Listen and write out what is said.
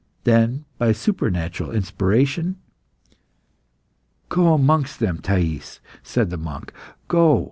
Then, by a supernatural inspiration "Go amongst them, Thais," said the monk. "Go!